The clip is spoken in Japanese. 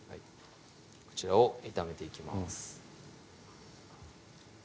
こちらを炒めていきます